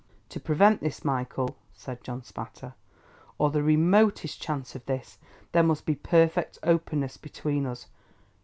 "To prevent this, Michael," said John Spatter, "or the remotest chance of this, there must be perfect openness between us.